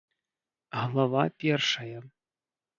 ГЛАВА ПЕРШАЯ.